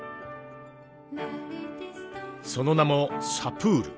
その名もサプール。